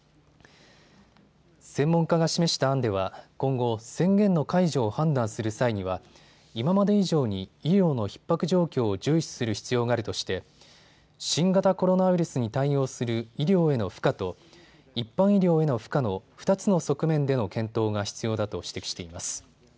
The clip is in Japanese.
専門家が示した案では今後、宣言の解除を判断する際には今まで以上に医療のひっ迫状況を重視する必要があるとして新型コロナウイルスに対応する医療への負荷と一般医療への負荷の２つの側面での検討が必要だと指摘しています。